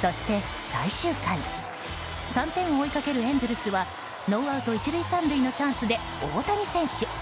そして、最終回３点を追いかけるエンゼルスはノーアウト１塁３塁のチャンスで大谷選手。